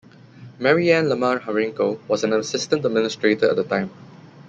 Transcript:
Marianne Lamont Horinko was an Assistant Administrator at the time.